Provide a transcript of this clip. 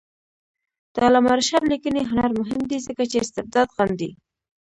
د علامه رشاد لیکنی هنر مهم دی ځکه چې استبداد غندي.